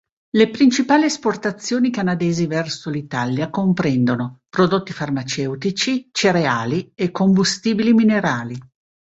Le principali esportazioni canadesi verso l'Italia comprendono: prodotti farmaceutici, cereali e combustibili minerali.